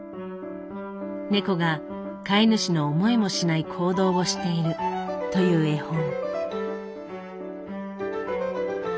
猫が飼い主の思いもしない行動をしているという絵本。